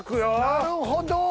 なるほど。